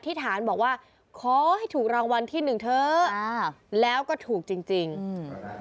ที่ฐานบอกว่าขอให้ถูกรางวัลที่หนึ่งเถอะอ่าแล้วก็ถูกจริงจริงอืม